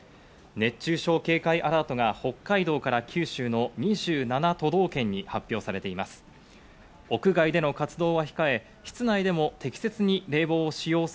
熱中症警戒アラートが北海道から九州の２７都道県に発表されています。